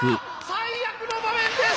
最悪の場面です！